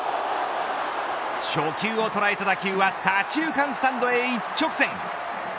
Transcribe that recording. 初球を捉えた打球は左中間スタンドへ一直線。